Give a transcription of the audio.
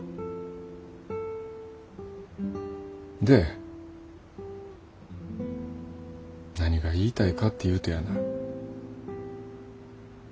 で何が言いたいかっていうとやな。